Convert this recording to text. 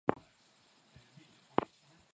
lenye mchanga ilikuwa kazi ngumu sana kwamba